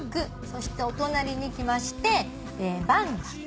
そしてお隣に来ましてバンダ。